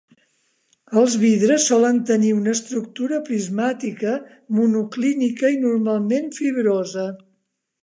Els vidres solen tenir una estructura prismàtica monoclínica i normalment fibrosa.